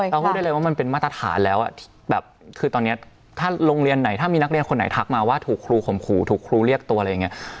เราพูดได้เลยว่ามันเป็นมาตรฐานแล้วถ้ามีนักเรียนคนไหนทักมาว่าถูกครูข่มขู่ถูกครูเรียกตัวอะไรอย่างนี้